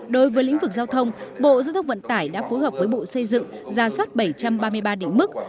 đối với lĩnh vực giao thông bộ giới thông vận tải đã phù hợp với bộ xây dựng giả soát bảy trăm ba mươi ba định mức